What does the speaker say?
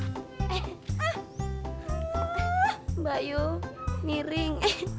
mbak yu miring